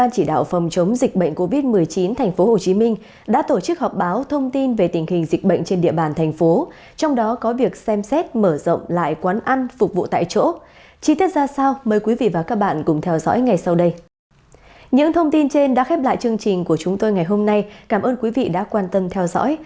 cảm ơn quý vị đã quan tâm theo dõi